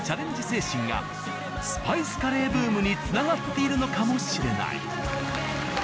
精神がスパイスカレーブームにつながっているのかもしれない。